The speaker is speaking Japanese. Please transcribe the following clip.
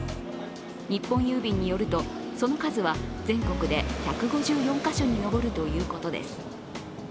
日本郵便によるとその数は全国で１５４カ所に上るということです。